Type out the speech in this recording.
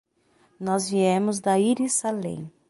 Nós viemos da íris Salem.